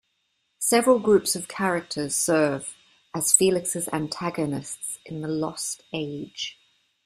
Several groups of characters serve as Felix's antagonists in "The Lost Age".